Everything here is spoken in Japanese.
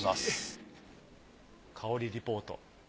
香りリポート。